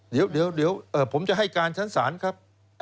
เดี๋ยวผมจะให้การชั้นศาลครับ